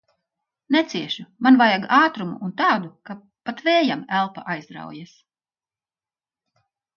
Neciešu! Man vajag ātrumu un tādu, ka pat vējam elpa aizraujas.